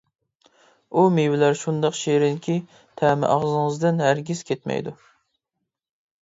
ئۇ مېۋىلەر شۇنداق شېرىنكى، تەمى ئاغزىڭىزدىن ھەرگىز كەتمەيدۇ.